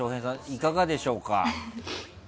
いかがでしょうか。